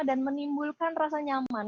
dan menimbulkan rasa nyaman